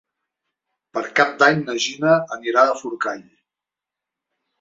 Per Cap d'Any na Gina anirà a Forcall.